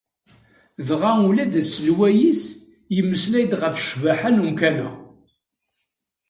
Dɣa ula d aselway-is yemmeslay-d ɣef ccbaḥa n umkan-a.